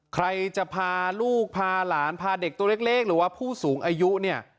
ใครจะพาลูกพาหลานพาเด็กตัวเล็กหรือว่าผู้สูงอายุเนี่ย